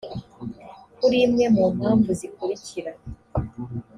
kuri imwe mu mpamvu zikurikira